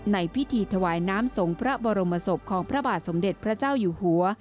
ในพิธีถวายน้ำสงฆ์พระบรมศพของพระบาทสมเด็จพระเจ้าอยู่หัว